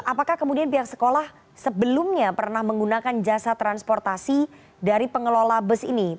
apakah kemudian pihak sekolah sebelumnya pernah menggunakan jasa transportasi dari pengelola bus ini